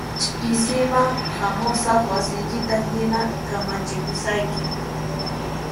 Ch'isiman hamusaq wasiykita hina kamachikusayki